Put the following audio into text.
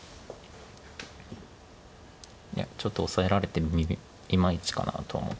いやちょっとオサえられていまいちかなと思って。